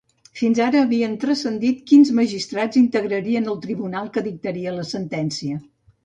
Fins ara, havia transcendit quins magistrats integrarien el tribunal que dictaria la sentència.